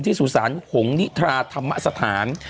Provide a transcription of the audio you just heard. ที่สู่ศาลหงษ์นิทราธรรมสถาน